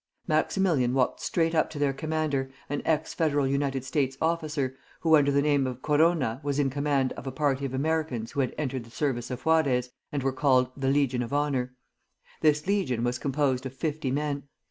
Maximilian walked straight up to their commander, an ex Federal United States officer, who under the name of Corona was in command of a party of Americans who had entered the service of Juarez, and were called the Legion of Honor. This legion was composed of fifty men.